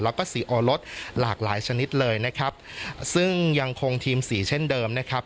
แล้วก็สีโอรสหลากหลายชนิดเลยนะครับซึ่งยังคงทีมสีเช่นเดิมนะครับ